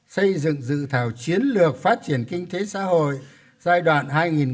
xây dựng dự thảo chiến lược phát triển kinh tế xã hội giai đoạn hai nghìn hai mươi một hai nghìn ba mươi